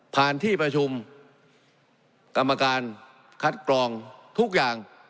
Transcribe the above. ที่ประชุมกรรมการคัดกรองทุกอย่าง